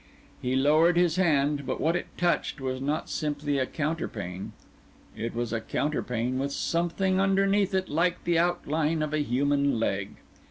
He lowered his hand, but what it touched was not simply a counterpane—it was a counterpane with something underneath it like the outline of a human leg.